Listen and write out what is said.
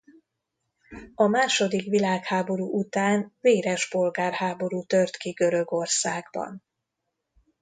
A második világháború után véres polgárháború tört ki Görögországban.